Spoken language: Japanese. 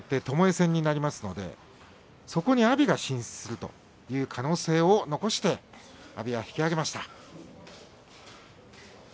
ともえ戦になりますのでそこに阿炎が進出するという可能性を残して阿炎は引き揚げました。